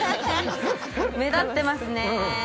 ◆目立ってますね。